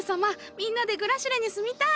みんなでグラシレに住みたい！